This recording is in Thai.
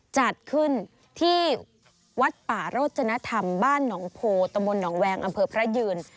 จัดขึ้นที่วัดป่าโรจนธรรมบ้านหนองโพตำบลหนองแวงอำเภอพระยืน